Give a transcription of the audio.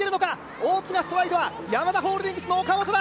大きなストライドはヤマダホールディングスの岡本だ。